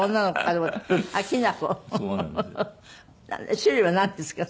種類はなんですか？